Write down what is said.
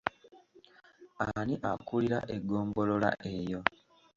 Ani akulira eggombolola eyo?